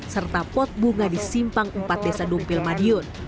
serta pot bunga di simpang empat desa dumpil madiun